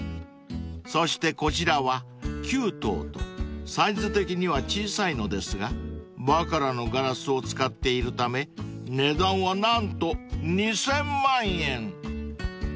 ［そしてこちらは９灯とサイズ的には小さいのですがバカラのガラスを使っているため値段は何と２，０００万円］